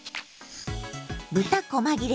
豚こま切れ